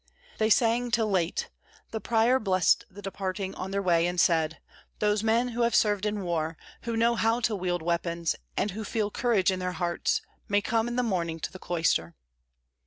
They sang till late; the prior blessed the departing on their way, and said, "Those men who have served in war, who know how to wield weapons and who feel courage in their hearts, may come in the morning to the cloister."